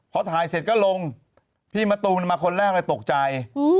พอถ่ายเสร็จก็ลงพี่มะตูมมาคนแรกเลยตกใจ